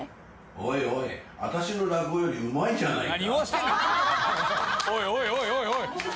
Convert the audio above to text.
おいおい私の落語よりうまいじゃないか。